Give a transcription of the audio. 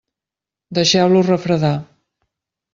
Deixeu-los refredar.